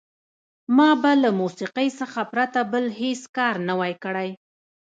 ما به له موسیقۍ څخه پرته بل هېڅ کار نه وای کړی.